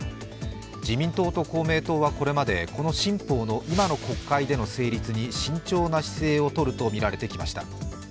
自民党と公明党はこれまでこの新法の今の国会での成立に慎重な姿勢をとるとみられてきました。